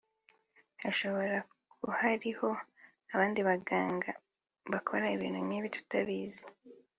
hashobora kuhariho abandi baganga bakora ibitu nk’ibi tutabizi